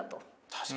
確かに。